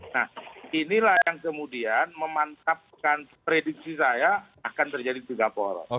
nah inilah yang kemudian memantapkan prediksi saya akan terjadi tiga poros